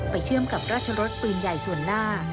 เชื่อมกับราชรสปืนใหญ่ส่วนหน้า